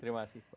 terima kasih pak